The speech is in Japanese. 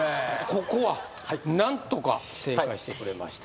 ここはなんとか正解してくれました